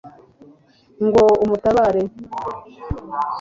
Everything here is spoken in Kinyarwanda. ngo umutabare